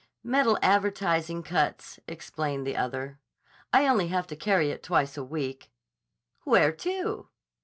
"Metal advertising cuts," explained the other. "I only have to carry it twice a week." "Where to?"